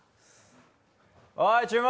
おい注文！